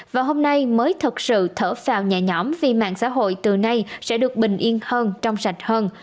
và hôm nay mới thật sự thở vào nhẹ nhõm vì mạng xã hội từ nay sẽ được bình yên hơn trong sạch hơn